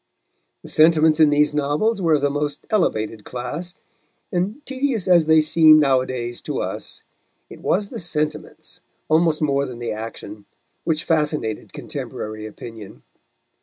The sentiments in these novels were of the most elevated class, and tedious as they seem nowadays to us, it was the sentiments, almost more than the action, which fascinated contemporary opinion.